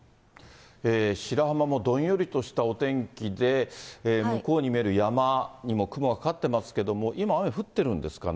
白浜もどんよりとしたお天気で、向こうに見える山にも雲がかかってますけれども、今、雨降ってるんですかね。